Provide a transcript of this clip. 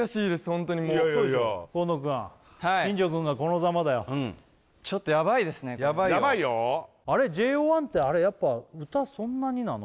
ホントにもう河野くん金城くんがこのザマだよはいヤバいよあれＪＯ１ってあれやっぱ歌そんなになの？